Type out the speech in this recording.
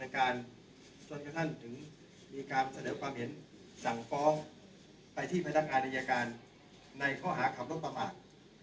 ในการจนกระทั่นถึงมีการเศร้าความเห็นสั่งฟ้อไปที่พนักงานระยาการในข้อหาขับรบประมาร